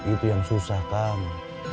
itu yang susah kamu